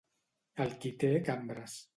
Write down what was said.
El qui té cambres.